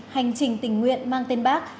hành trình tình nguyện mang tên bác